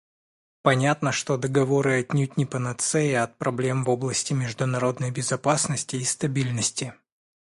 Понятно, что договоры — отнюдь не панацея от проблем в области международной безопасности и стабильности.